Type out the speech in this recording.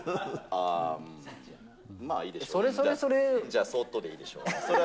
じゃあ、そーっとでいいでしょう。